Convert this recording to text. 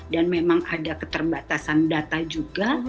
dan memang ada keterbatasan data juga